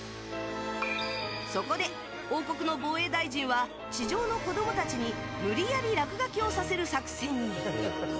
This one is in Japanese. そこで王国の防衛大臣は地上の子供たちに無理やりラクガキをさせる作戦に。